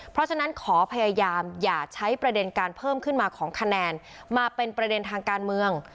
เพราะฉะนั้นขอพยายามอย่าใช้ประเด็นการเพิ่มขึ้นมาของคะแนนมาเป็นประเด็นทางการเมือง